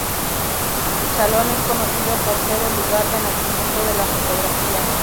Chalon es conocido por ser el lugar de nacimiento de la fotografía.